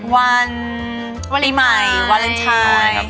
วันวารีใหม่วาเลนไทย